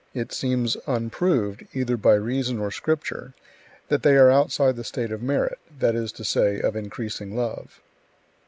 It seems unproved, either by reason or Scripture, that they are outside the state of merit, that is to say, of increasing love.